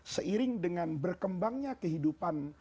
seiring dengan berkembangnya kehidupan